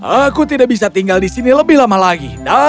aku tidak bisa tinggal di sini lebih lama lagi